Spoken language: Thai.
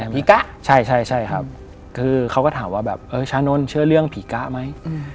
ผีกะใช่ใช่ครับคือเขาก็ถามว่าแบบเออชานนท์เชื่อเรื่องผีกะไหม